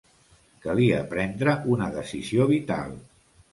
Calia prendre una decisió vital.